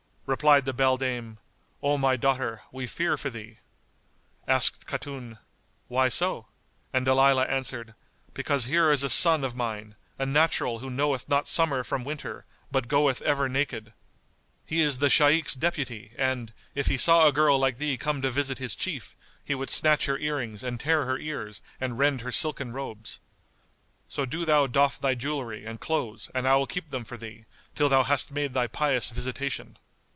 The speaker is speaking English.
Replied the beldame, "O my daughter, we fear for thee." Asked Khatun, "Why so?" and Dalilah answered, "Because here is a son of mine, a natural who knoweth not summer from winter, but goeth ever naked. He is the Shaykh's deputy and, if he saw a girl like thee come to visit his chief, he would snatch her earrings and tear her ears and rend her silken robes.[FN#196] So do thou doff thy jewellery and clothes and I will keep them for thee, till thou hast made thy pious visitation."